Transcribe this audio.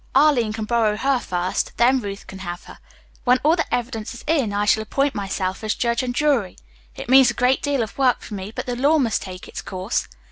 Arline can borrow her first, then Ruth can have her. When all the evidence is in I shall appoint myself as judge and jury. It means a great deal of work for me, but the law must take its course.